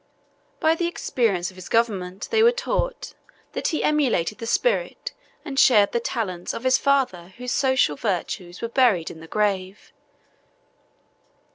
By the experience of his government, they were taught, that he emulated the spirit, and shared the talents, of his father whose social virtues were buried in the grave.